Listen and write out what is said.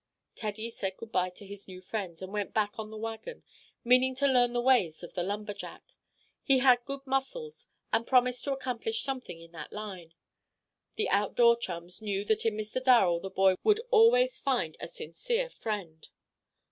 Teddy said good by to his new friends, and went back on the wagon, meaning to learn the ways of a lumberjack. He had good muscles, and promised to accomplish something in that line. The outdoor chums knew that in Mr. Darrel the boy would always find a sincere friend.